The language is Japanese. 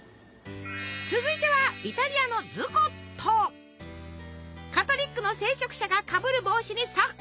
続いてはイタリアのカトリックの聖職者がかぶる帽子にそっくり！